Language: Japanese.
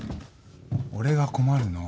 俺が困るの。